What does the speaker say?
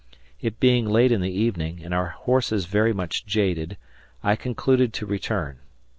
It being late in the evening, and our horses very much jaded, I concluded to return.